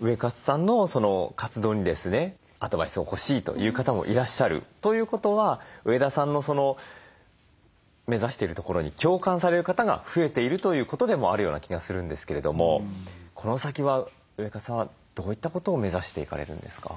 ウエカツさんの活動にですねアドバイスを欲しいという方もいらっしゃるということは上田さんの目指しているところに共感される方が増えているということでもあるような気がするんですけれどもこの先はウエカツさんはどういったことを目指していかれるんですか？